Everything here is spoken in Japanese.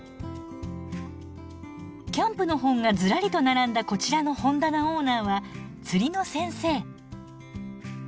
キャンプの本がずらりと並んだこちらの本棚オーナーは釣りの先生。